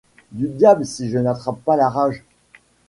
Du diable si je n’attrape pas la rage !